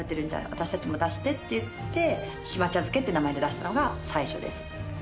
私たちにも出して」って言って島茶漬けって名前で出したのが最初です。